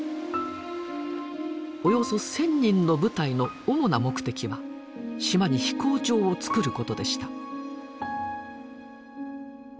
およそ１，０００人の部隊の主な目的は島に飛行場をつくることでした。